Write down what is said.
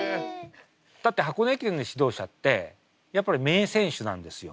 だって箱根駅伝の指導者ってやっぱり名選手なんですよ。